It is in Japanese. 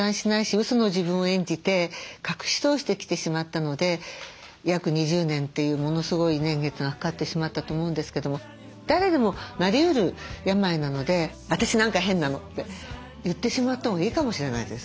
うその自分を演じて隠し通してきてしまったので約２０年というものすごい年月がかかってしまったと思うんですけども誰でもなりうる病なので「私何か変なの」って言ってしまったほうがいいかもしれないです。